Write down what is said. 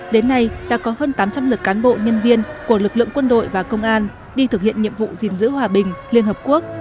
đến nay đã có hơn tám trăm linh lượt cán bộ nhân viên của lực lượng quân đội và công an đi thực hiện nhiệm vụ gìn giữ hòa bình liên hợp quốc